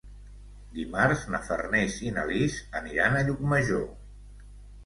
Dimarts na Farners i na Lis aniran a Llucmajor.